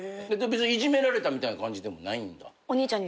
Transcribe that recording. いじめられたみたいな感じでもないんだ？